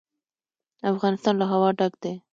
افغانستان له هوا ډک دی.